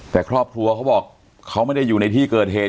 แต่ครอบครัวเขาบอกเขาไม่ได้อยู่ในที่เกิดเหตุ